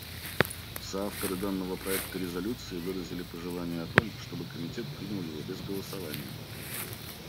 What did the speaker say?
Соавторы данного проекта резолюции выразили пожелание о том, чтобы Комитет принял его без голосования.